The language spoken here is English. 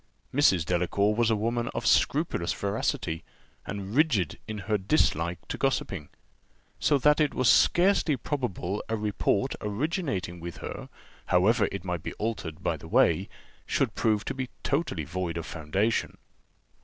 Mrs. Delacour was a woman of scrupulous veracity, and rigid in her dislike to gossiping; so that it was scarcely probable a report originating with her, however it might be altered by the way, should prove to be totally void of foundation.